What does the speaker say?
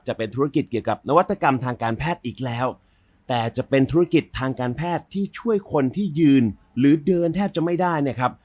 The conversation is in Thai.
จะเป็นธุรกิจเกี่ยวกับนวัตกรรมทางการแพทย์อีกแล้วแต่จะเป็นธุรกิจทางการแพทย์ที่ช่วยคนที่ยืนหรือเดินแทบจะไม่ได้เนี่ยครับ